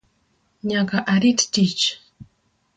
Nyaka arit tich